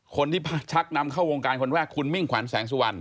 คนที่ชักนำเข้าวงการคนแรกคุณมิ่งขวัญแสงสุวรรณ